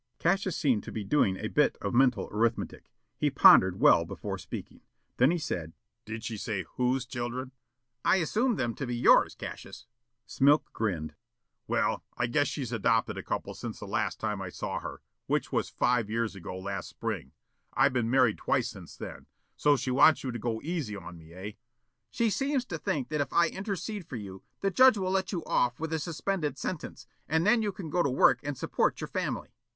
Cassius seemed to be doing a bit of mental arithmetic. He pondered well before speaking. Then he said: "Did she say whose children?" "I assumed them to be yours, Cassius." Smilk grinned. "Well, I guess she's adopted a couple since the last time I saw her, which was five years ago last Spring. I been married twice since then. So she wants you to go easy on me, eh?" "She seems to think that if I intercede for you the judge will let you off with a suspended sentence, and then you can go to work and support your family."